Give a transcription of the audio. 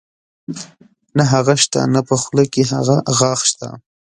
نۀ هغه شته نۀ پۀ خولۀ کښې هغه غاخ شته